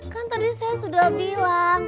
kan tadi saya sudah bilang